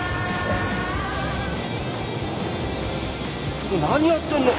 ちょっと何やってんの？